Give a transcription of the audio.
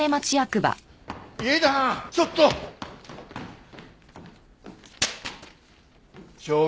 ちょっと！